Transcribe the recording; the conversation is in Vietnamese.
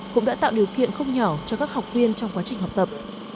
cũng đã tạo điều kiện không nhỏ cho các học viên trong quá trình học tập